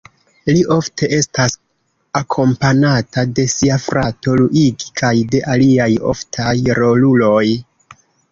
Li ofte estas akompanata de sia frato Luigi kaj de aliaj oftaj roluloj.